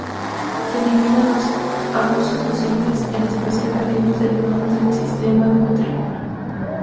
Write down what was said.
Eliminar los abusos sociales, en especial aquellos derivados del sistema de matrícula.